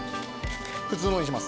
普通のにします。